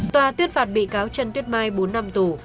tòa tuyên phạt bị cáo trần tuyết mai bốn năm tù